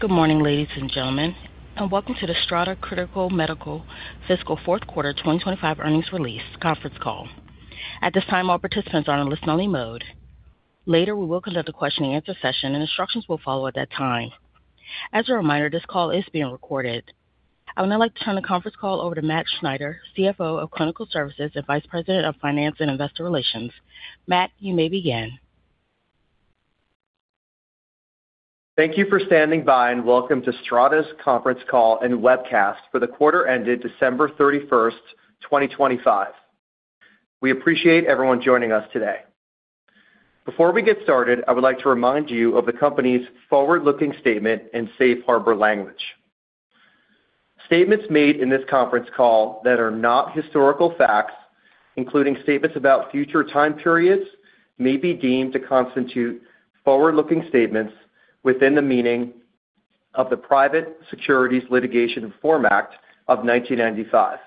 Good morning, ladies and gentlemen, welcome to the Strata Critical Medical fiscal fourth quarter 2025 earnings release conference call. At this time, all participants are in listen-only mode. Later, we will conduct a question-and-answer session, instructions will follow at that time. As a reminder, this call is being recorded. I would now like to turn the conference call over to Matt Schneider, CFO of Clinical Services and Vice President of Finance and Investor Relations. Matt, you may begin. Thank you for standing by. Welcome to Strata's conference call and webcast for the quarter ended December 31st, 2025. We appreciate everyone joining us today. Before we get started, I would like to remind you of the company's forward-looking statement and safe harbor language. Statements made in this conference call that are not historical facts, including statements about future time periods, may be deemed to constitute forward-looking statements within the meaning of the Private Securities Litigation Reform Act of 1995.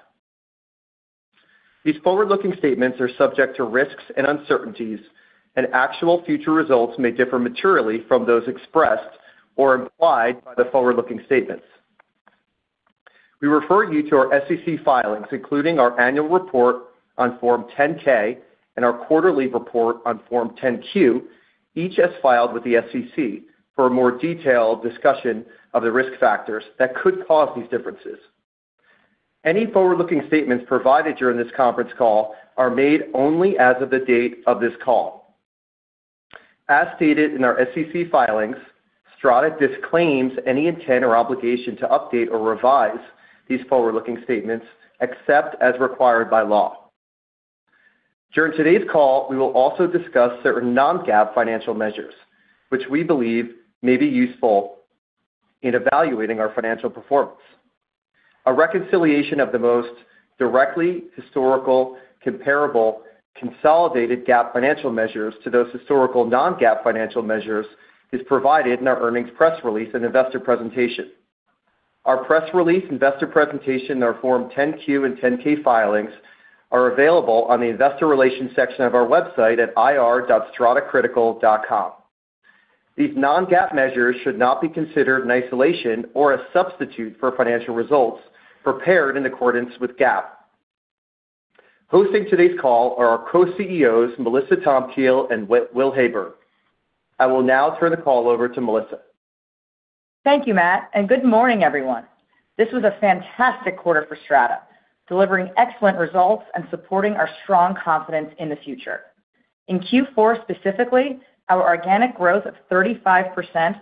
These forward-looking statements are subject to risks and uncertainties, and actual future results may differ materially from those expressed or implied by the forward-looking statements. We refer you to our SEC filings, including our annual report on Form 10-K and our quarterly report on Form 10-Q, each as filed with the SEC, for a more detailed discussion of the risk factors that could cause these differences. Any forward-looking statements provided during this conference call are made only as of the date of this call. As stated in our SEC filings, Strata disclaims any intent or obligation to update or revise these forward-looking statements except as required by law. During today's call, we will also discuss certain non-GAAP financial measures which we believe may be useful in evaluating our financial performance. A reconciliation of the most directly historical comparable consolidated GAAP financial measures to those historical non-GAAP financial measures is provided in our earnings press release and investor presentation. Our press release investor presentation in our Form 10-Q and 10-K filings are available on the investor relations section of our website at ir.stratacritical.com. These non-GAAP measures should not be considered in isolation or a substitute for financial results prepared in accordance with GAAP. Hosting today's call are our co-CEOs, Melissa Tomkiel and Will Heyburn. I will now turn the call over to Melissa. Thank you, Matt. Good morning, everyone. This was a fantastic quarter for Strata, delivering excellent results and supporting our strong confidence in the future. In Q4 specifically, our organic growth of 35%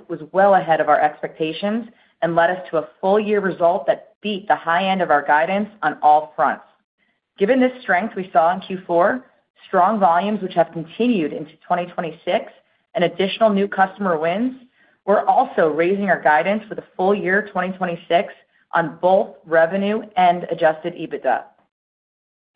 was well ahead of our expectations and led us to a full year result that beat the high end of our guidance on all fronts. Given this strength we saw in Q4, strong volumes which have continued into 2026 and additional new customer wins, we're also raising our guidance for the full year 2026 on both revenue and adjusted EBITDA.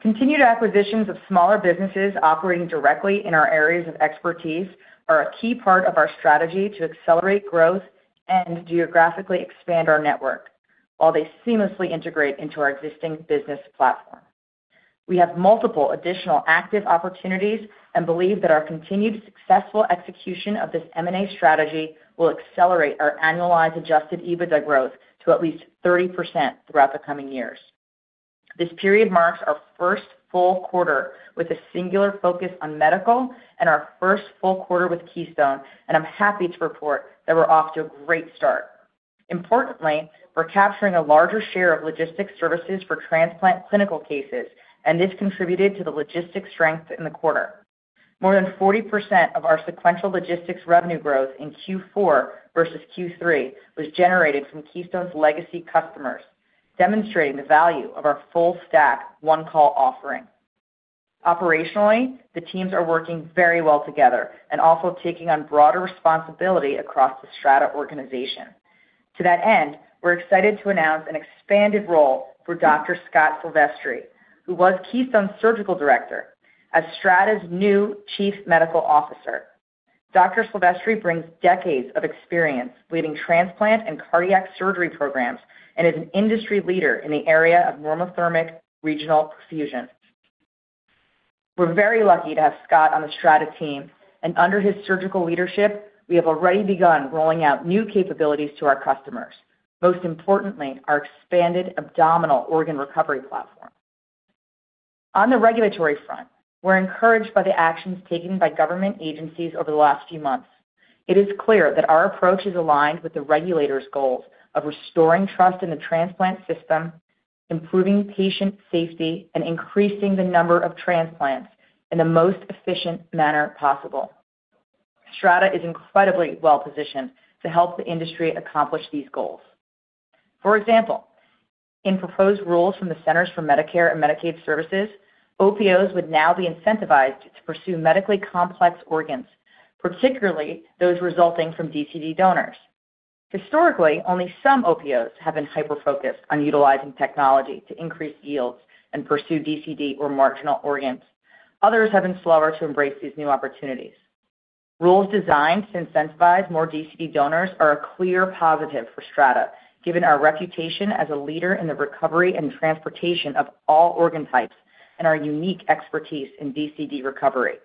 Continued acquisitions of smaller businesses operating directly in our areas of expertise are a key part of our strategy to accelerate growth and geographically expand our network while they seamlessly integrate into our existing business platform. We have multiple additional active opportunities and believe that our continued successful execution of this M&A strategy will accelerate our annualized adjusted EBITDA growth to at least 30% throughout the coming years. This period marks our first full quarter with a singular focus on medical and our first full quarter with Keystone, and I'm happy to report that we're off to a great start. Importantly, we're capturing a larger share of logistics services for transplant clinical cases, and this contributed to the logistics strength in the quarter. More than 40% of our sequential logistics revenue growth in Q4 versus Q3 was generated from Keystone's legacy customers, demonstrating the value of our full stack one-call offering. Operationally, the teams are working very well together and also taking on broader responsibility across the Strata organization. To that end, we're excited to announce an expanded role for Dr. Scott Silvestry, who was Keystone's surgical director as Strata's new Chief Medical Officer. Dr. Silvestry brings decades of experience leading transplant and cardiac surgery programs and is an industry leader in the area of normothermic regional perfusion. We're very lucky to have Scott on the Strata team. Under his surgical leadership, we have already begun rolling out new capabilities to our customers, most importantly, our expanded abdominal organ recovery platform. On the regulatory front, we're encouraged by the actions taken by government agencies over the last few months. It is clear that our approach is aligned with the regulators' goals of restoring trust in the transplant system, improving patient safety, and increasing the number of transplants in the most efficient manner possible. Strata is incredibly well-positioned to help the industry accomplish these goals. For example, in proposed rules from the Centers for Medicare and Medicaid Services, OPOs would now be incentivized to pursue medically complex organs, particularly those resulting from DCD donors. Historically, only some OPOs have been hyper-focused on utilizing technology to increase yields and pursue DCD or marginal organs. Others have been slower to embrace these new opportunities. Rules designed to incentivize more DCD donors are a clear positive for Strata, given our reputation as a leader in the recovery and transportation of all organ types and our unique expertise in DCD recovery.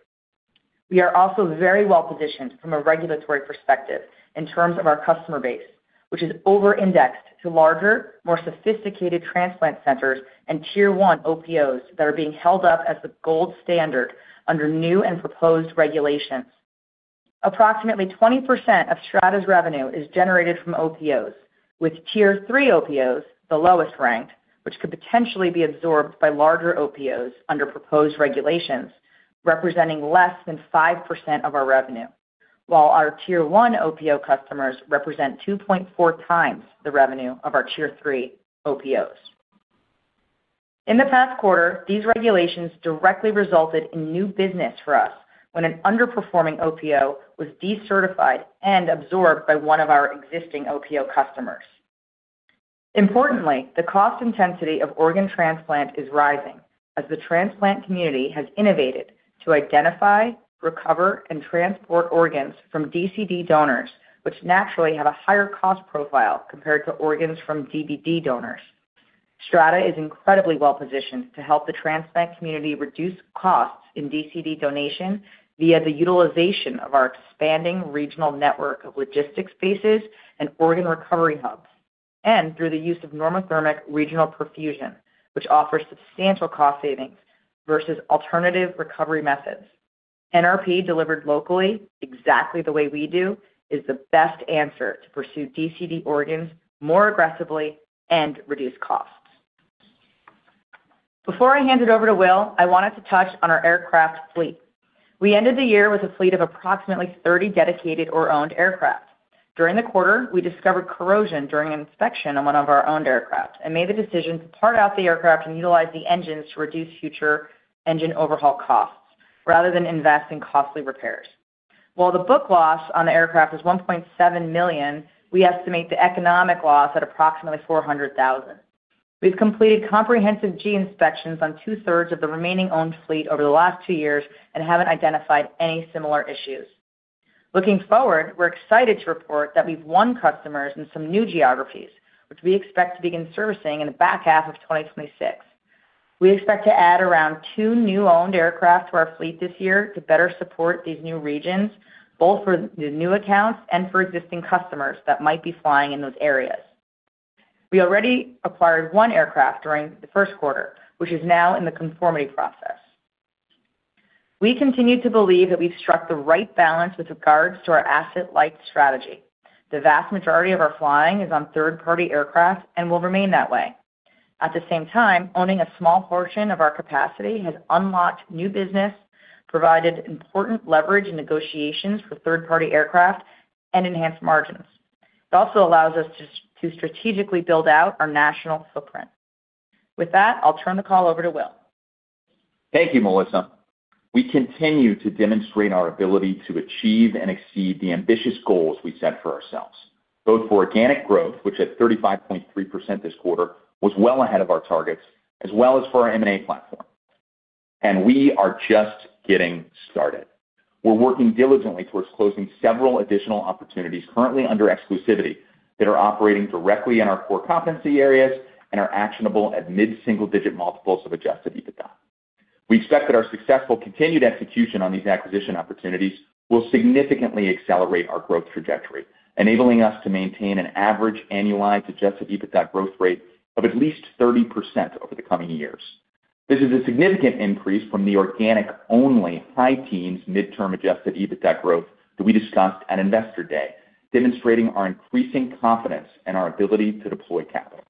We are also very well-positioned from a regulatory perspective in terms of our customer base, which is over-indexed to larger, more sophisticated transplant centers and Tier One OPOs that are being held up as the gold standard under new and proposed regulations. Approximately 20% of Strata's revenue is generated from OPOs, with Tier Three OPOs, the lowest ranked, which could potentially be absorbed by larger OPOs under proposed regulations, representing less than 5% of our revenue. While our Tier One OPO customers represent 2.4x the revenue of our Tier Three OPOs. In the past quarter, these regulations directly resulted in new business for us when an underperforming OPO was decertified and absorbed by one of our existing OPO customers. Importantly, the cost intensity of organ transplant is rising as the transplant community has innovated to identify, recover, and transport organs from DCD donors, which naturally have a higher cost profile compared to organs from DDD donors. Strata is incredibly well-positioned to help the transplant community reduce costs in DCD donation via the utilization of our expanding regional network of logistics spaces and organ recovery hubs, and through the use of normothermic regional perfusion, which offers substantial cost savings versus alternative recovery methods. NRP delivered locally, exactly the way we do, is the best answer to pursue DCD organs more aggressively and reduce costs. Before I hand it over to Will, I wanted to touch on our aircraft fleet. We ended the year with a fleet of approximately 30 dedicated or owned aircraft. During the quarter, we discovered corrosion during an inspection on one of our owned aircraft and made the decision to part out the aircraft and utilize the engines to reduce future engine overhaul costs rather than invest in costly repairs. While the book loss on the aircraft was $1.7 million, we estimate the economic loss at approximately $400,000. We've completed comprehensive G inspections on two-thirds of the remaining owned fleet over the last two years and haven't identified any similar issues. Looking forward, we're excited to report that we've won customers in some new geographies, which we expect to begin servicing in the back half of 2026. We expect to add around two new owned aircraft to our fleet this year to better support these new regions, both for the new accounts and for existing customers that might be flying in those areas. We already acquired one aircraft during the first quarter, which is now in the conformity process. We continue to believe that we've struck the right balance with regards to our asset-light strategy. The vast majority of our flying is on third-party aircraft and will remain that way. At the same time, owning a small portion of our capacity has unlocked new business, provided important leverage in negotiations for third-party aircraft, and enhanced margins. It also allows us to strategically build out our national footprint. With that, I'll turn the call over to Will. Thank you, Melissa. We continue to demonstrate our ability to achieve and exceed the ambitious goals we set for ourselves, both for organic growth, which at 35.3% this quarter was well ahead of our targets, as well as for our M&A platform. We are just getting started. We're working diligently towards closing several additional opportunities currently under exclusivity that are operating directly in our core competency areas and are actionable at mid-single-digit multiples of adjusted EBITDA. We expect that our successful continued execution on these acquisition opportunities will significantly accelerate our growth trajectory, enabling us to maintain an average annualized adjusted EBITDA growth rate of at least 30% over the coming years. This is a significant increase from the organic-only high teens midterm adjusted EBITDA growth that we discussed at Investor Day, demonstrating our increasing confidence in our ability to deploy capital.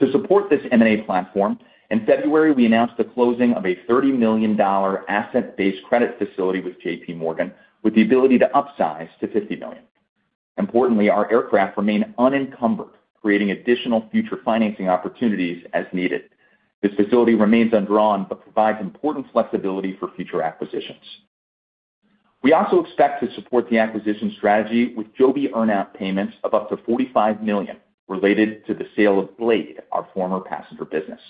To support this M&A platform, in February, we announced the closing of a $30 million asset-based credit facility with JPMorgan, with the ability to upsize to $50 million. Importantly, our aircraft remain unencumbered, creating additional future financing opportunities as needed. This facility remains undrawn, but provides important flexibility for future acquisitions. We also expect to support the acquisition strategy with Joby earn out payments of up to $45 million related to the sale of Blade, our former passenger business.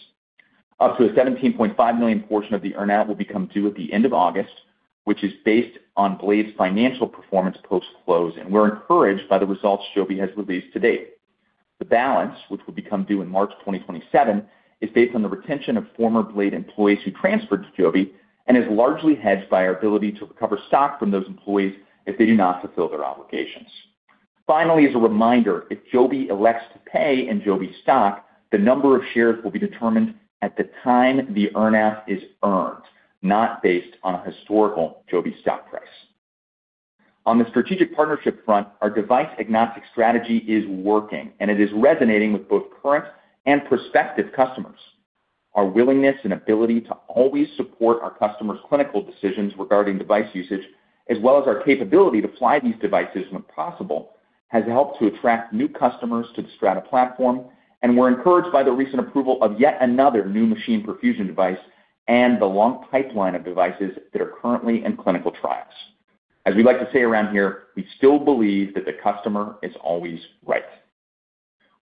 Up to a $17.5 million portion of the earn out will become due at the end of August, which is based on Blade's financial performance post-close, and we're encouraged by the results Joby has released to date. The balance, which will become due in March 2027, is based on the retention of former Blade employees who transferred to Joby and is largely hedged by our ability to recover stock from those employees if they do not fulfill their obligations. Finally, as a reminder, if Joby elects to pay in Joby stock, the number of shares will be determined at the time the earn out is earned, not based on a historical Joby stock price. On the strategic partnership front, our device-agnostic strategy is working, and it is resonating with both current and prospective customers. Our willingness and ability to always support our customers' clinical decisions regarding device usage, as well as our capability to fly these devices when possible, has helped to attract new customers to the Strata platform. We're encouraged by the recent approval of yet another new machine perfusion device and the long pipeline of devices that are currently in clinical trials. As we like to say around here, we still believe that the customer is always right.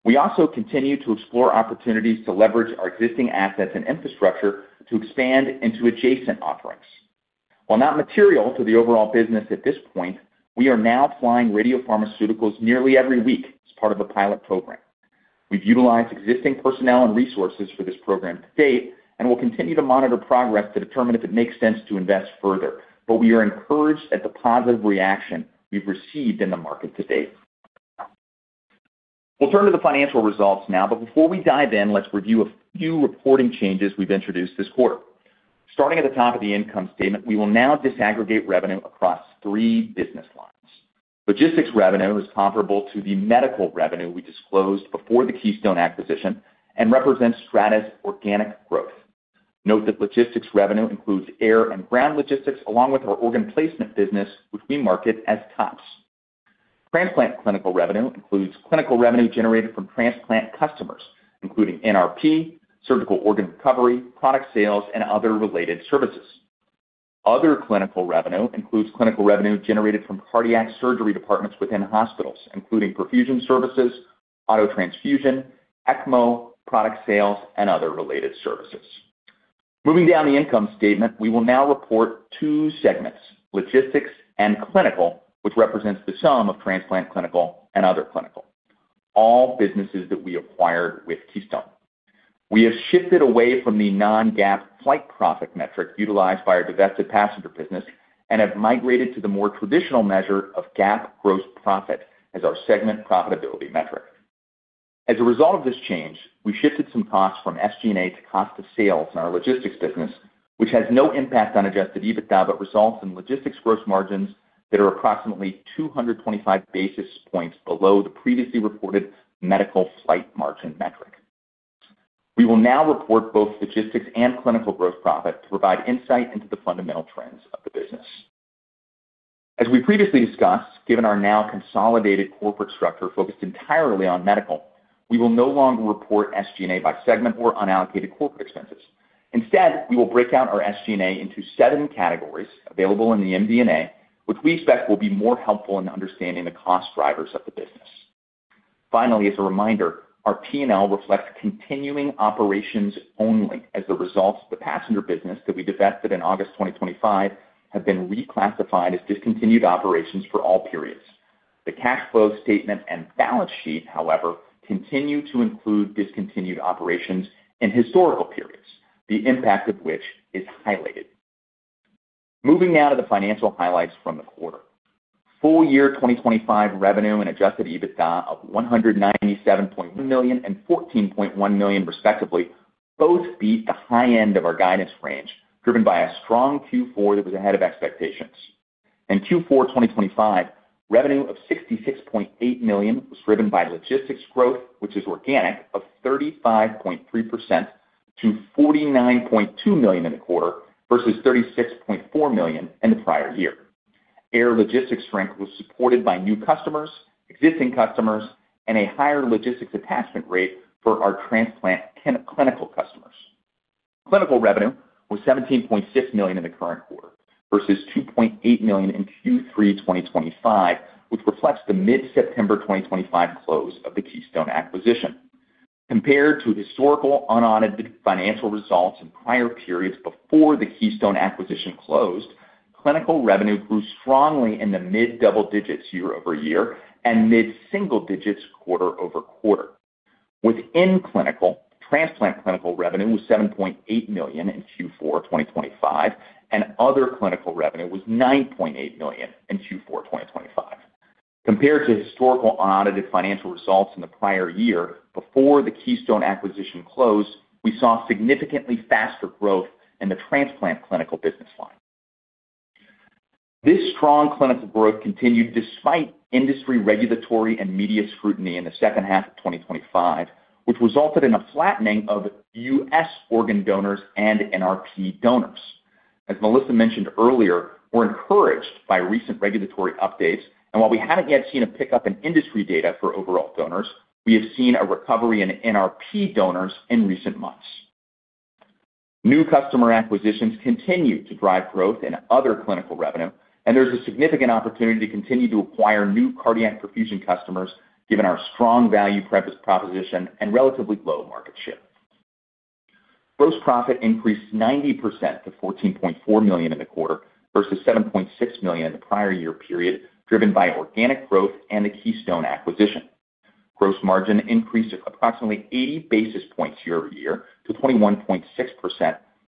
We also continue to explore opportunities to leverage our existing assets and infrastructure to expand into adjacent offerings. While not material to the overall business at this point, we are now flying radiopharmaceuticals nearly every week as part of a pilot program. We've utilized existing personnel and resources for this program to date. We'll continue to monitor progress to determine if it makes sense to invest further. We are encouraged at the positive reaction we've received in the market to date. We'll turn to the financial results now, but before we dive in, let's review a few reporting changes we've introduced this quarter. Starting at the top of the income statement, we will now disaggregate revenue across three business lines. Logistics revenue is comparable to the medical revenue we disclosed before the Keystone acquisition and represents Strata's organic growth. Note that logistics revenue includes air and ground logistics along with our organ placement business, which we market as TOPS. Transplant clinical revenue includes clinical revenue generated from transplant customers, including NRP, surgical organ recovery, product sales, and other related services. Other clinical revenue includes clinical revenue generated from cardiac surgery departments within hospitals, including perfusion services, autotransfusion, ECMO, product sales, and other related services. Moving down the income statement, we will now report two segments, logistics and clinical, which represents the sum of transplant clinical and other clinical, all businesses that we acquired with Keystone. We have shifted away from the non-GAAP flight profit metric utilized by our divested passenger business and have migrated to the more traditional measure of GAAP gross profit as our segment profitability metric. As a result of this change, we shifted some costs from SG&A to cost of sales in our logistics business, which has no impact on adjusted EBITDA, but results in logistics gross margins that are approximately 225 basis points below the previously reported medical flight margin metric. We will now report both logistics and clinical gross profit to provide insight into the fundamental trends of the business. As we previously discussed, given our now consolidated corporate structure focused entirely on medical, we will no longer report SG&A by segment or unallocated corporate expenses. Instead, we will break out our SG&A into seven categories available in the MD&A, which we expect will be more helpful in understanding the cost drivers of the business. Finally, as a reminder, our P&L reflects continuing operations only as the results of the passenger business that we divested in August 2025 have been reclassified as discontinued operations for all periods. The cash flow statement and balance sheet, however, continue to include discontinued operations in historical periods, the impact of which is highlighted. Moving now to the financial highlights from the quarter. Full year 2025 revenue and adjusted EBITDA of $197.1 million and $14.1 million respectively, both beat the high end of our guidance range, driven by a strong Q4 that was ahead of expectations. In Q4 2025, revenue of $66.8 million was driven by logistics growth, which is organic of 35.3% to $49.2 million in the quarter versus $36.4 million in the prior year. Air logistics strength was supported by new customers, existing customers, and a higher logistics attachment rate for our transplant clinical customers. Clinical revenue was $17.6 million in the current quarter versus $2.8 million in Q3 2025, which reflects the mid-September 2025 close of the Keystone acquisition. Compared to historical unaudited financial results in prior periods before the Keystone acquisition closed, clinical revenue grew strongly in the mid-double digits year-over-year and mid-single digits quarter-over-quarter. Within clinical, transplant clinical revenue was $7.8 million in Q4 2025, and other clinical revenue was $9.8 million in Q4 2025. Compared to historical unaudited financial results in the prior year before the Keystone acquisition closed, we saw significantly faster growth in the transplant clinical business line. This strong clinical growth continued despite industry regulatory and media scrutiny in the second half of 2025, which resulted in a flattening of U.S. organ donors and NRP donors. As Melissa mentioned earlier, we're encouraged by recent regulatory updates, and while we haven't yet seen a pickup in industry data for overall donors, we have seen a recovery in NRP donors in recent months. New customer acquisitions continue to drive growth in other clinical revenue, there's a significant opportunity to continue to acquire new cardiac perfusion customers given our strong value preface proposition and relatively low market share. Gross profit increased 90% to $14.4 million in the quarter versus $7.6 million in the prior year period, driven by organic growth and the Keystone acquisition. Gross margin increased approximately 80 basis points year-over-year to 21.6%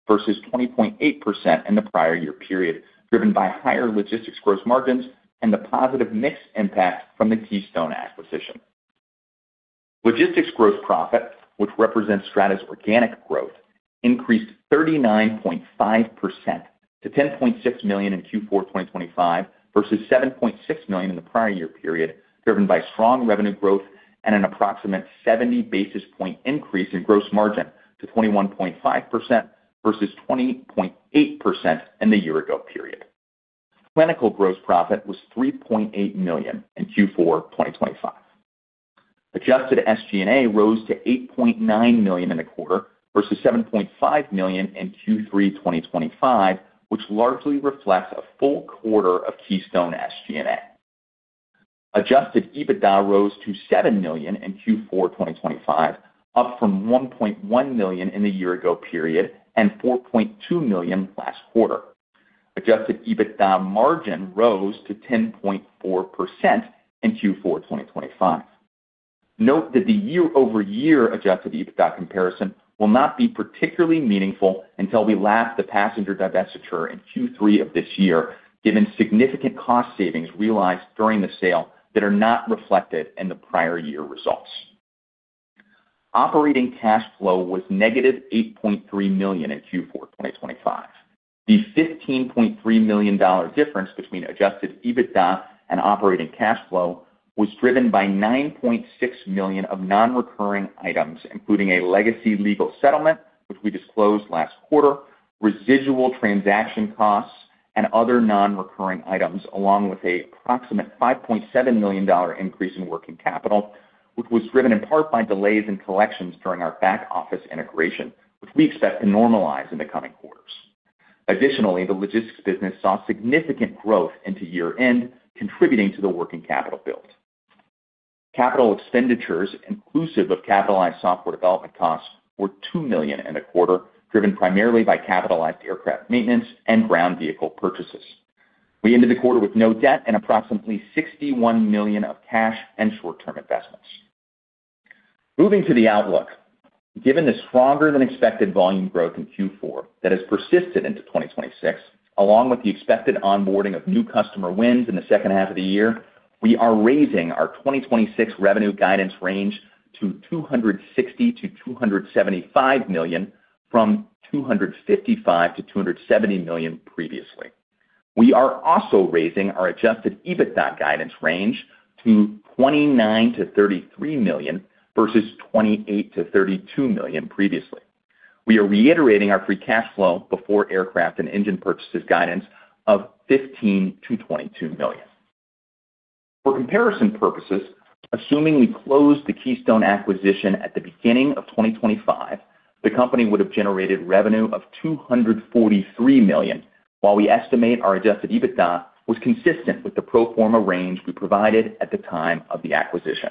versus 20.8% in the prior year period, driven by higher logistics gross margins and the positive mix impact from the Keystone acquisition. Logistics gross profit, which represents Strata's organic growth, increased 39.5% to $10.6 million in Q4 2025 versus $7.6 million in the prior year period, driven by strong revenue growth and an approximate 70 basis point increase in gross margin to 21.5% versus 20.8% in the year ago period. Clinical gross profit was $3.8 million in Q4 2025. Adjusted SG&A rose to $8.9 million in the quarter versus $7.5 million in Q3 2025, which largely reflects a full quarter of Keystone SG&A. Adjusted EBITDA rose to $7 million in Q4 2025, up from $1.1 million in the year ago period and $4.2 million last quarter. Adjusted EBITDA margin rose to 10.4% in Q4 2025. Note that the year-over-year Adjusted EBITDA comparison will not be particularly meaningful until we lap the passenger divestiture in Q3 of this year, given significant cost savings realized during the sale that are not reflected in the prior year results. Operating cash flow was -$8.3 million in Q4 2025. The $15.3 million difference between Adjusted EBITDA and operating cash flow was driven by $9.6 million of non-recurring items, including a legacy legal settlement, which we disclosed last quarter, residual transaction costs and other non-recurring items, along with approximate $5.7 million increase in working capital, which was driven in part by delays in collections during our back-office integration, which we expect to normalize in the coming quarters. The logistics business saw significant growth into year-end, contributing to the working capital build. Capital expenditures, inclusive of capitalized software development costs, were $2 million in the quarter, driven primarily by capitalized aircraft maintenance and ground vehicle purchases. We ended the quarter with no debt and approximately $61 million of cash and short-term investments. Moving to the outlook. Given the stronger than expected volume growth in Q4 that has persisted into 2026, along with the expected onboarding of new customer wins in the second half of the year, we are raising our 2026 revenue guidance range to $260 million-$275 million from $255 million-$270 million previously. We are also raising our adjusted EBITDA guidance range to $29 million-$33 million versus $28 million-$32 million previously. We are reiterating our free cash flow before aircraft and engine purchases guidance of $15 million-$22 million. For comparison purposes, assuming we closed the Keystone acquisition at the beginning of 2025, the company would have generated revenue of $243 million, while we estimate our adjusted EBITDA was consistent with the pro forma range we provided at the time of the acquisition.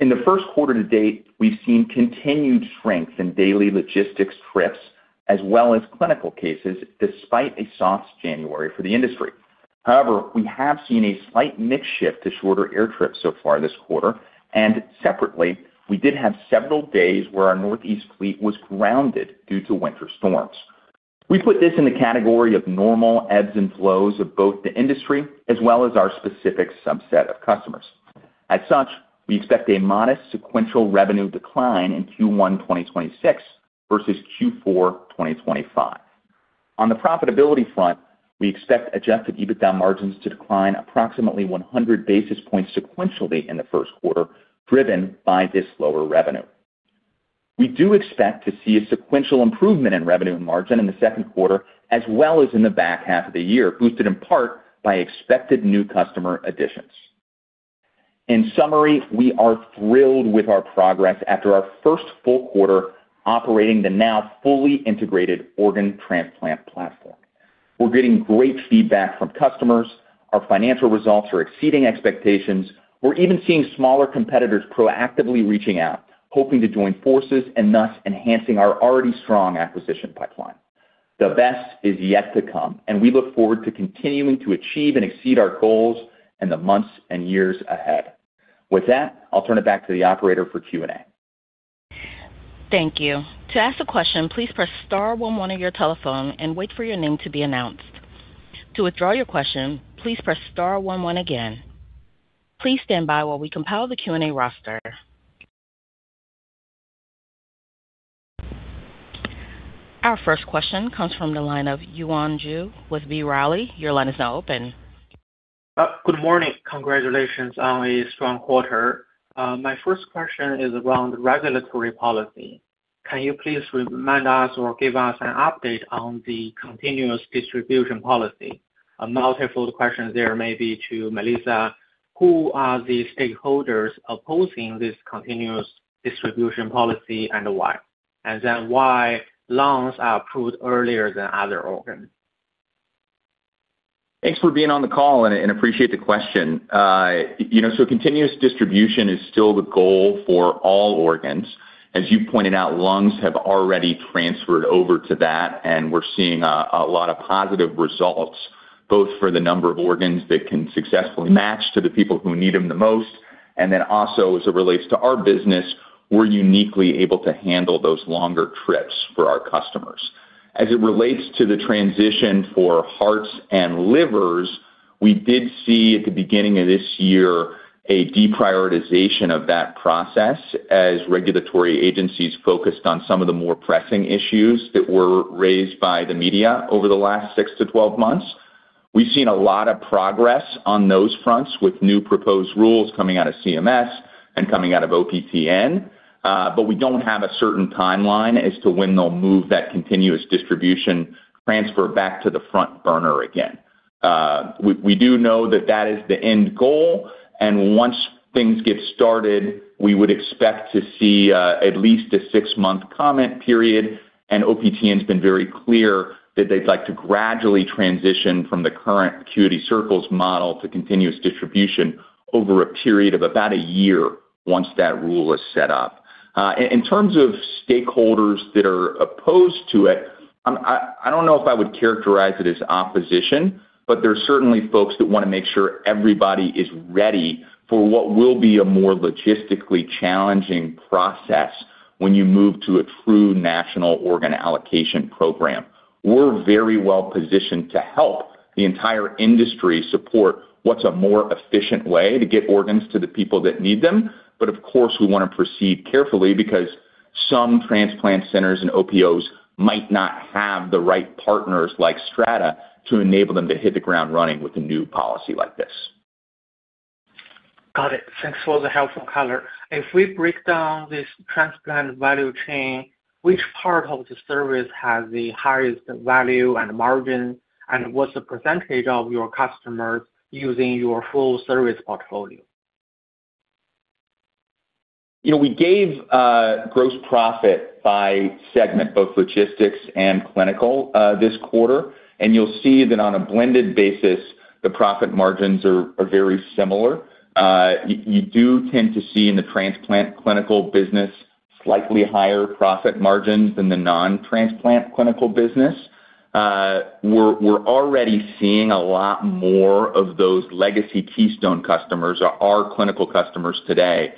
In the first quarter to date, we've seen continued strength in daily logistics trips as well as clinical cases despite a soft January for the industry. We have seen a slight mix shift to shorter air trips so far this quarter, and separately, we did have several days where our Northeast fleet was grounded due to winter storms. We put this in the category of normal ebbs and flows of both the industry as well as our specific subset of customers. We expect a modest sequential revenue decline in Q1 2026 versus Q4 2025. On the profitability front, we expect adjusted EBITDA margins to decline approximately 100 basis points sequentially in the first quarter, driven by this lower revenue. We do expect to see a sequential improvement in revenue and margin in the second quarter as well as in the back half of the year, boosted in part by expected new customer additions. In summary, we are thrilled with our progress after our first full quarter operating the now fully integrated organ transplant platform. We're getting great feedback from customers. Our financial results are exceeding expectations. We're even seeing smaller competitors proactively reaching out, hoping to join forces and thus enhancing our already strong acquisition pipeline. The best is yet to come, and we look forward to continuing to achieve and exceed our goals in the months and years ahead. With that, I'll turn it back to the operator for Q&A. Thank you. To ask a question, please press star one one on your telephone and wait for your name to be announced. To withdraw your question, please press star one one again. Please stand by while we compile the Q&A roster. Our first question comes from the line of Yuan Zhi with B. Riley. Your line is now open. Good morning. Congratulations on a strong quarter. My first question is around regulatory policy. Can you please remind us or give us an update on the continuous distribution policy? A multi-fold question there may be to Melissa, who are the stakeholders opposing this continuous distribution policy and why? Why lungs are approved earlier than other organs? Thanks for being on the call and appreciate the question. You know, continuous distribution is still the goal for all organs. As you pointed out, lungs have already transferred over to that, and we're seeing a lot of positive results, both for the number of organs that can successfully match to the people who need them the most, and then also as it relates to our business, we're uniquely able to handle those longer trips for our customers. As it relates to the transition for hearts and livers, we did see at the beginning of this year a deprioritization of that process as regulatory agencies focused on some of the more pressing issues that were raised by the media over the last six-12 months. We've seen a lot of progress on those fronts with new proposed rules coming out of CMS and coming out of OPTN, but we don't have a certain timeline as to when they'll move that continuous distribution transfer back to the front burner again. We do know that that is the end goal. Once things get started, we would expect to see at least a six-month comment period. OPTN's been very clear that they'd like to gradually transition from the current acuity circles model to continuous distribution over a period of about a year once that rule is set up. In terms of stakeholders that are opposed to it, I don't know if I would characterize it as opposition, but there are certainly folks that wanna make sure everybody is ready for what will be a more logistically challenging process when you move to a true national organ allocation program. We're very well positioned to help the entire industry support what's a more efficient way to get organs to the people that need them. Of course, we wanna proceed carefully because some transplant centers and OPOs might not have the right partners like Strata to enable them to hit the ground running with a new policy like this. Got it. Thanks for the helpful color. If we break down this transplant value chain, which part of the service has the highest value and margin, and what's the percent of your customers using your full service portfolio? You know, we gave gross profit by segment, both logistics and clinical this quarter, and you'll see that on a blended basis, the profit margins are very similar. You do tend to see in the transplant clinical business slightly higher profit margins than the non-transplant clinical business. We're already seeing a lot more of those legacy Keystone customers or our clinical customers today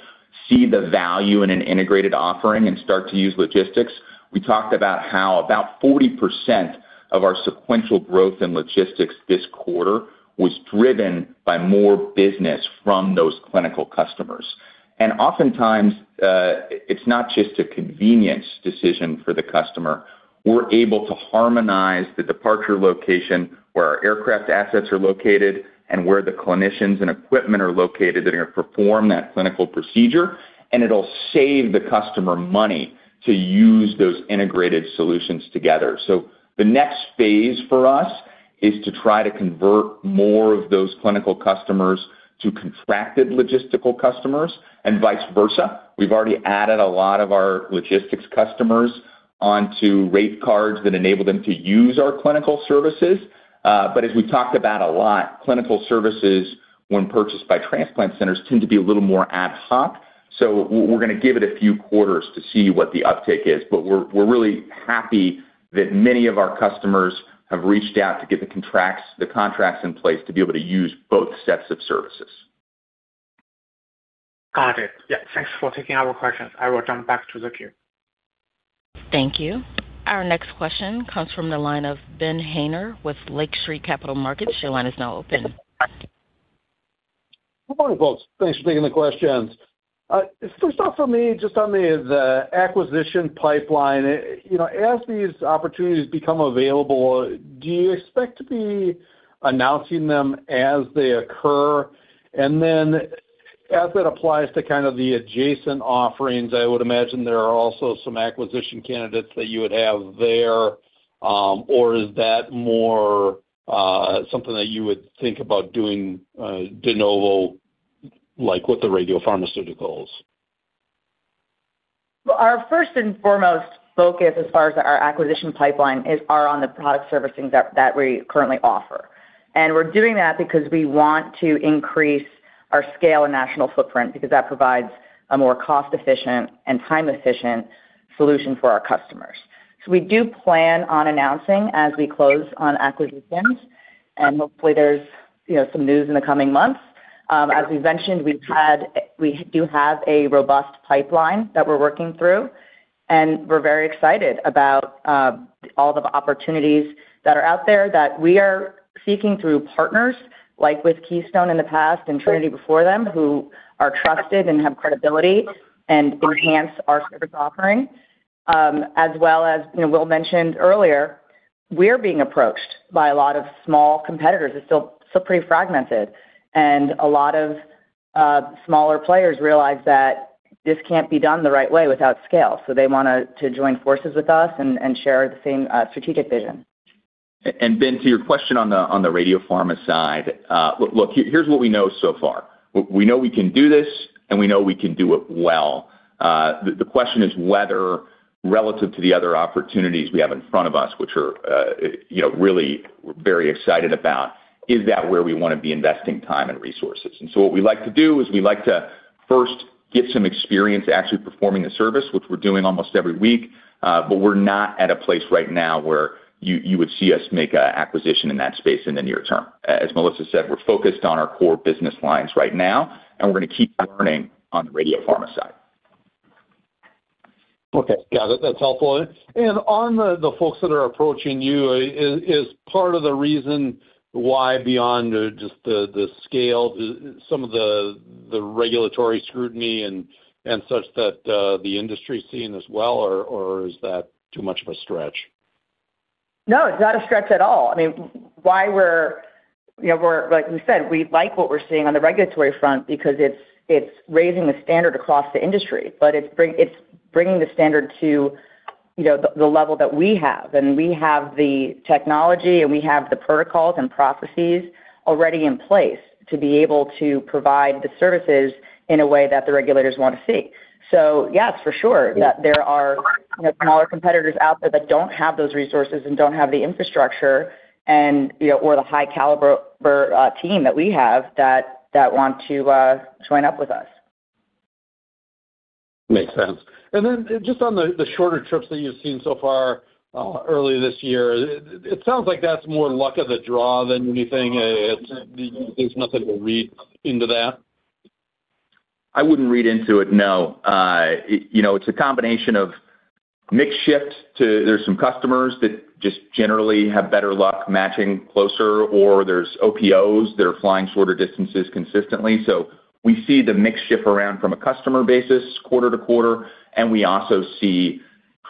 see the value in an integrated offering and start to use logistics. We talked about how about 40% of our sequential growth in logistics this quarter was driven by more business from those clinical customers. Oftentimes, it's not just a convenience decision for the customer. We're able to harmonize the departure location where our aircraft assets are located and where the clinicians and equipment are located that are gonna perform that clinical procedure, and it'll save the customer money to use those integrated solutions together. The next phase for us is to try to convert more of those clinical customers to contracted logistical customers and vice versa. We've already added a lot of our logistics customers onto rate cards that enable them to use our clinical services. As we talked about a lot, clinical services when purchased by transplant centers tend to be a little more ad hoc. We're gonna give it a few quarters to see what the uptake is. We're really happy that many of our customers have reached out to get the contracts in place to be able to use both sets of services. Got it. Yeah, thanks for taking our questions. I will turn back to the queue. Thank you. Our next question comes from the line of Ben Haner with Lake Street Capital Markets. Your line is now open. Good morning, folks. Thanks for taking the questions. Start for me just on the acquisition pipeline. You know, as these opportunities become available, do you expect to be announcing them as they occur? As that applies to kind of the adjacent offerings, I would imagine there are also some acquisition candidates that you would have there, or is that more something that you would think about doing de novo, like with the radiopharmaceuticals? Well, our first and foremost focus as far as our acquisition pipeline is on the product servicing that we currently offer. We're doing that because we want to increase our scale and national footprint because that provides a more cost-efficient and time-efficient solution for our customers. We do plan on announcing as we close on acquisitions, and hopefully there's, you know, some news in the coming months. As we've mentioned, we do have a robust pipeline that we're working through, and we're very excited about all the opportunities that are out there that we are seeking through partners, like with Keystone in the past and Trinity before them, who are trusted and have credibility and enhance our service offering. As well as, you know, Will mentioned earlier, we're being approached by a lot of small competitors. It's still pretty fragmented. A lot of smaller players realize that this can't be done the right way without scale. They want to join forces with us and share the same strategic vision. Ben, to your question on the radiopharma side, look, here's what we know so far. We know we can do this, we know we can do it well. The question is whether relative to the other opportunities we have in front of us, which we're, you know, really very excited about, is that where we wanna be investing time and resources? What we like to do is we like to first get some experience actually performing the service, which we're doing almost every week, we're not at a place right now where you would see us make a acquisition in that space in the near term. As Melissa said, we're focused on our core business lines right now, we're gonna keep learning on the radiopharma side. Okay. Got it. That's helpful. On the folks that are approaching you, is part of the reason why beyond just the scale, some of the regulatory scrutiny and such that the industry is seeing as well, or is that too much of a stretch? No, it's not a stretch at all. I mean, why we're, you know, like we said, we like what we're seeing on the regulatory front because it's raising the standard across the industry, but it's bringing the standard to, you know, the level that we have. We have the technology and we have the protocols and processes already in place to be able to provide the services in a way that the regulators want to see. Yes, for sure, that there are, you know, smaller competitors out there that don't have those resources and don't have the infrastructure and, you know, or the high caliber team that we have that want to join up with us. Makes sense. Then just on the shorter trips that you've seen so far, early this year. It sounds like that's more luck of the draw than anything. There's nothing to read into that. I wouldn't read into it, no. You know, it's a combination of mix shift to there's some customers that just generally have better luck matching closer or there's OPOs that are flying shorter distances consistently. We see the mix shift around from a customer basis quarter to quarter, and we also see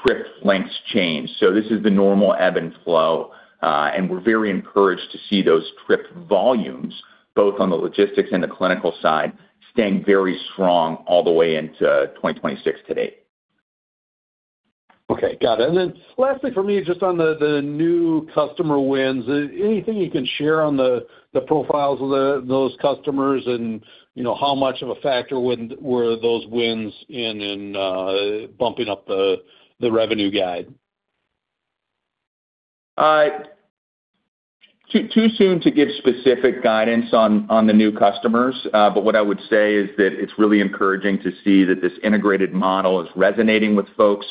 trip lengths change. This is the normal ebb and flow, and we're very encouraged to see those trip volumes both on the logistics and the clinical side staying very strong all the way into 2026 to date. Okay. Got it. Lastly for me, just on the new customer wins, anything you can share on the profiles of those customers and, you know, how much of a factor were those wins in bumping up the revenue guide? Too soon to give specific guidance on the new customers. What I would say is that it's really encouraging to see that this integrated model is resonating with folks.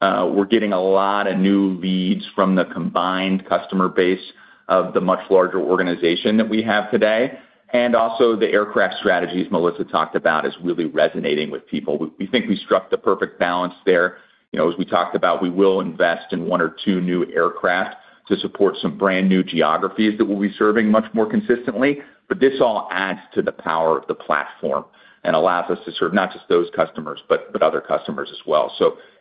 We're getting a lot of new leads from the combined customer base of the much larger organization that we have today. Also the aircraft strategies Melissa talked about is really resonating with people. We think we struck the perfect balance there. You know, as we talked about, we will invest in one or two new aircraft to support some brand-new geographies that we'll be serving much more consistently. This all adds to the power of the platform and allows us to serve not just those customers, but other customers as well.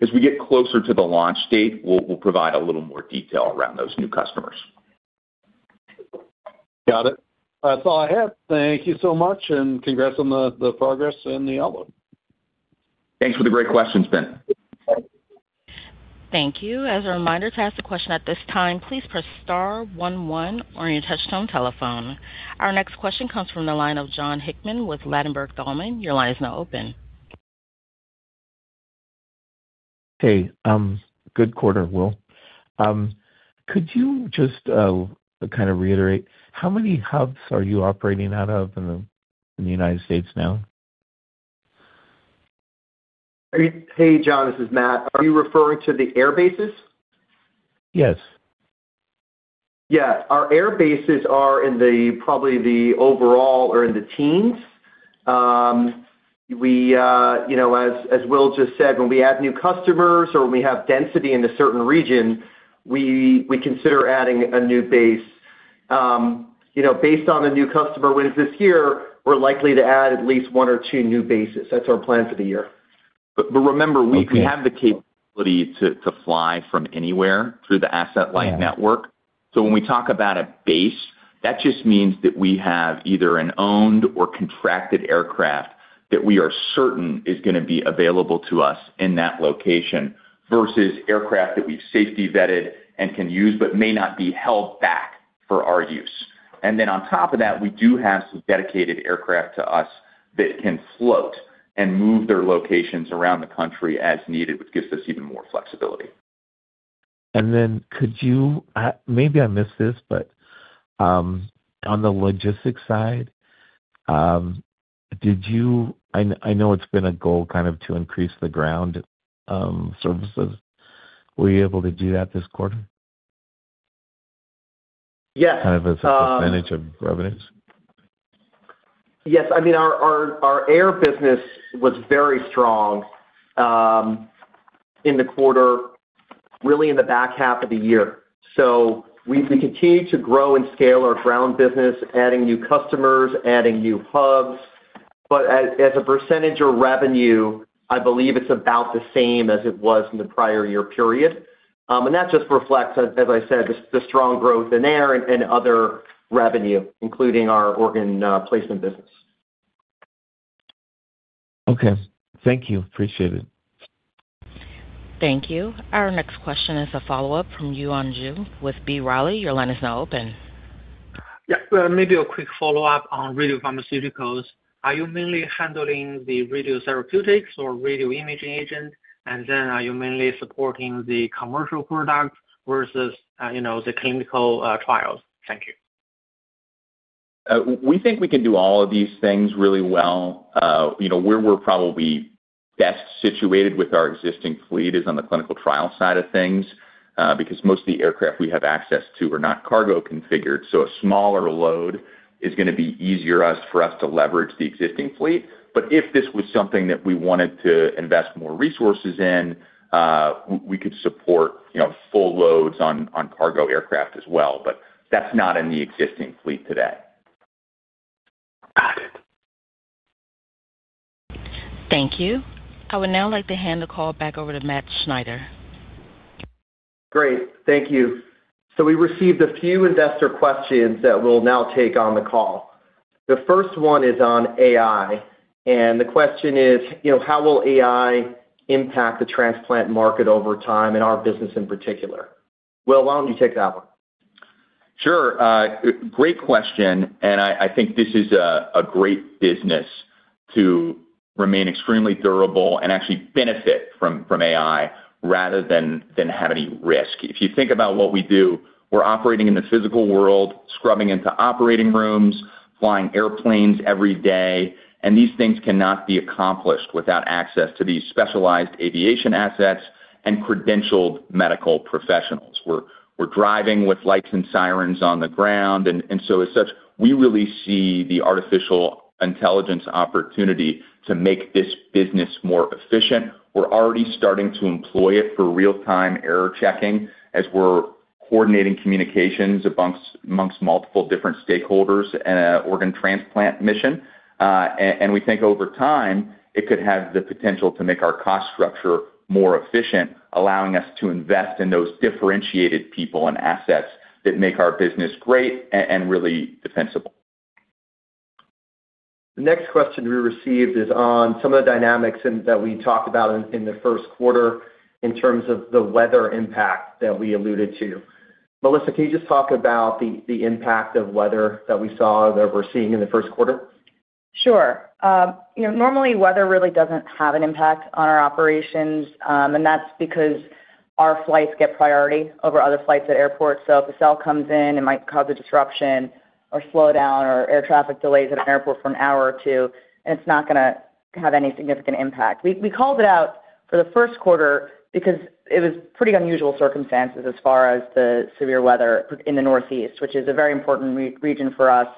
As we get closer to the launch date, we'll provide a little more detail around those new customers. Got it. That's all I have. Thank you so much. Congrats on the progress in the outlook. Thanks for the great questions, Ben. Thank you. As a reminder, to ask a question at this time, please press star one one on your touch tone telephone. Our next question comes from the line of Jon Hickman with Ladenburg Thalmann. Your line is now open. Hey. Good quarter, Will. Could you just kind of reiterate how many hubs are you operating out of in the United States now? Hey, Jon, this is Matt. Are you referring to the airbases? Yes. Yeah. Our airbases are in the probably the overall or in the teens. We, you know, as Will just said, when we add new customers or when we have density in a certain region, we consider adding a new base. You know, based on the new customer wins this year, we're likely to add at least one or two new bases. That's our plan for the year. Remember, Okay. We have the capability to fly from anywhere through the asset light network. Yeah. When we talk about a base, that just means that we have either an owned or contracted aircraft that we are certain is gonna be available to us in that location versus aircraft that we've safety vetted and can use but may not be held back for our use. Then on top of that, we do have some dedicated aircraft to us that can float and move their locations around the country as needed, which gives us even more flexibility. Maybe I missed this, but on the logistics side, I know it's been a goal kind of to increase the ground services. Were you able to do that this quarter? Yes. Kind of as a percent of revenues. Yes. I mean, our air business was very strong in the quarter, really in the back half of the year. We continue to grow and scale our ground business, adding new customers, adding new hubs. As a percent of revenue, I believe it's about the same as it was in the prior year period. That just reflects as I said, the strong growth in air and other revenue, including our organ placement business. Okay. Thank you. Appreciate it. Thank you. Our next question is a follow-up from Yuan Zhou with B. Riley. Your line is now open. Yeah. Maybe a quick follow-up on radiopharmaceuticals. Are you mainly handling the radiotherapeutics or radioimaging agent? Are you mainly supporting the commercial product versus the clinical trials? Thank you. We think we can do all of these things really well. You know, where we're probably best situated with our existing fleet is on the clinical trial side of things, because most of the aircraft we have access to are not cargo configured, so a smaller load is gonna be easier for us to leverage the existing fleet. If this was something that we wanted to invest more resources in, we could support, you know, full loads on cargo aircraft as well. That's not in the existing fleet today. Got it. Thank you. I would now like to hand the call back over to Matt Schneider. Great. Thank you. We received a few investor questions that we'll now take on the call. The first one is on AI, and the question is: You know, how will AI impact the transplant market over time and our business in particular? Will, why don't you take that one? Sure. Great question, I think this is a great business to remain extremely durable and actually benefit from AI rather than have any risk. If you think about what we do, we're operating in the physical world, scrubbing into operating rooms, flying airplanes every day, these things cannot be accomplished without access to these specialized aviation assets and credentialed medical professionals. We're driving with lights and sirens on the ground. As such, we really see the artificial intelligence opportunity to make this business more efficient. We're already starting to employ it for real-time error checking as we're coordinating communications amongst multiple different stakeholders in a organ transplant mission. We think over time, it could have the potential to make our cost structure more efficient, allowing us to invest in those differentiated people and assets that make our business great and really defensible. The next question we received is on some of the dynamics that we talked about in the first quarter in terms of the weather impact that we alluded to. Melissa, can you just talk about the impact of weather that we're seeing in the first quarter? Sure. You know, normally, weather really doesn't have an impact on our operations. That's because our flights get priority over other flights at airports. If a cell comes in, it might cause a disruption or slow down or air traffic delays at an airport for an hour or two, it's not gonna have any significant impact. We called it out for the first quarter because it was pretty unusual circumstances as far as the severe weather in the Northeast, which is a very important region for us.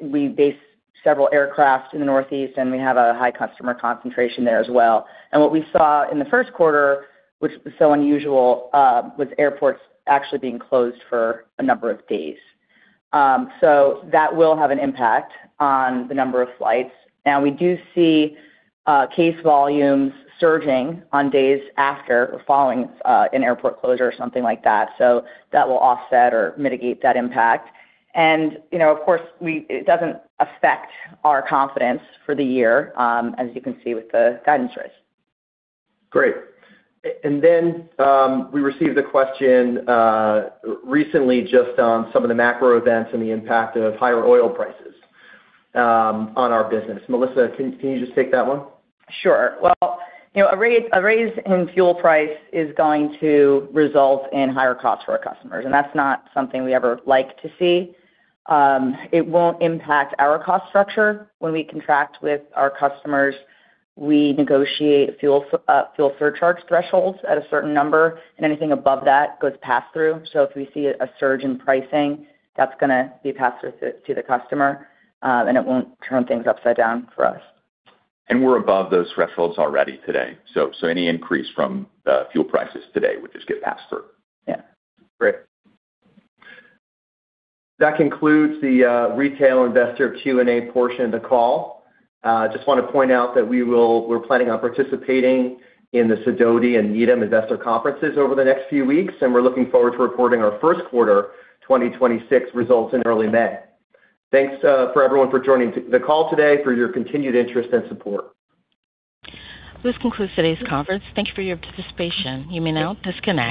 We base several aircraft in the Northeast, we have a high customer concentration there as well. What we saw in the first quarter, which was so unusual, was airports actually being closed for a number of days. That will have an impact on the number of flights. We do see, case volumes surging on days after or following, an airport closure or something like that, so that will offset or mitigate that impact. You know, of course, it doesn't affect our confidence for the year, as you can see with the guidance raise. Great. We received a question recently just on some of the macro events and the impact of higher oil prices on our business. Melissa, can you just take that one? Sure. You know, a raise, a raise in fuel price is going to result in higher costs for our customers, and that's not something we ever like to see. It won't impact our cost structure. When we contract with our customers, we negotiate fuel surcharge thresholds at a certain number, and anything above that goes pass-through. If we see a surge in pricing, that's gonna be passed through to the customer, and it won't turn things upside down for us. We're above those thresholds already today, so any increase from fuel prices today would just get passed through. Yeah. Great. That concludes the retail investor Q&A portion of the call. Just wanna point out that we're planning on participating in the Sidoti and Needham Investor Conferences over the next few weeks. We're looking forward to reporting our first quarter 2026 results in early May. Thanks for everyone for joining the call today, for your continued interest and support. This concludes today's conference. Thank you for your participation. You may now disconnect.